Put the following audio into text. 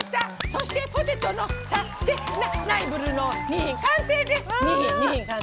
そして「ポテトのサ・ステナイブルレシピ」の２品、完成です！